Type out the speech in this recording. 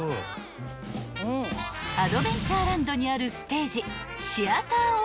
［アドベンチャーランドにあるステージ］